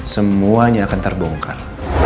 semuanya akan terbongkar